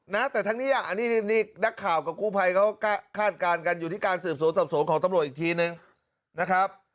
นะแต่ทั้งนี้อันนี้นี่นักข่าวกับกู้ภัยเขาคาดการณ์กันอยู่ที่การสืบสวนสอบสวนของตำรวจอีกทีนึงนะครับ